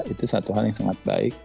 itu satu hal yang sangat baik